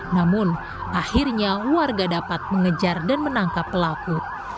namun akhirnya warga dapat mengejar dan menangkap pelaku